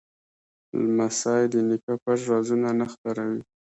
لمسی د نیکه پټ رازونه نه خپروي.